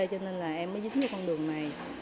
cho nên là em mới dính cái con đường này